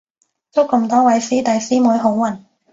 祝咁多位師弟師妹好運